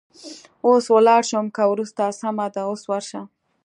اوس ولاړه شم که وروسته؟ سمه ده، اوس ورشه.